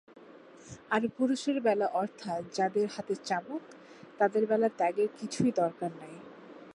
আর পুরুষের বেলা অর্থাৎ যাঁদের হাতে চাবুক, তাঁদের বেলা ত্যাগের কিছুই দরকার নাই।